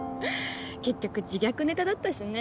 結局自虐ネタだったしね。